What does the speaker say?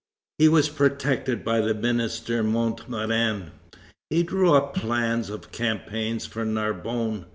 He was protected by the minister Montmorin. He drew up plans of campaign for Narbonne.